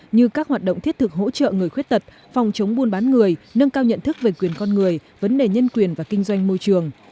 như các hoạt động thiết thực hỗ trợ người khuyết tật phòng chống buôn bán người nâng cao nhận thức về quyền con người vấn đề nhân quyền và kinh doanh môi trường